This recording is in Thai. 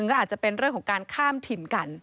ก็อาจจะเป็นเรื่องของการข้ามถิ่นกัน